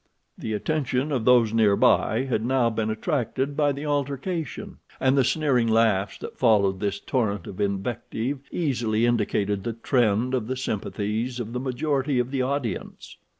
The attention of those near by had now been attracted by the altercation, and the sneering laughs that followed this torrent of invective easily indicated the trend of the sympathies of the majority of the audience.